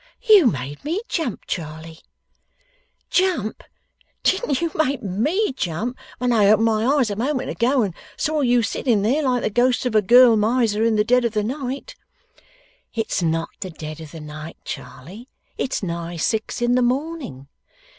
'You made me jump, Charley.' 'Jump! Didn't you make ME jump, when I opened my eyes a moment ago, and saw you sitting there, like the ghost of a girl miser, in the dead of the night.' 'It's not the dead of the night, Charley. It's nigh six in the morning.